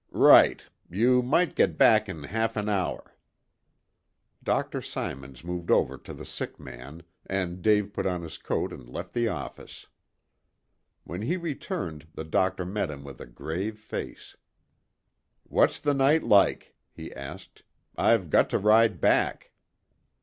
"Right. You might get back in half an hour." Dr. Symons moved over to the sick man, and Dave put on his coat and left the office. When he returned the doctor met him with a grave face. "What's the night like?" he asked. "I've got to ride back."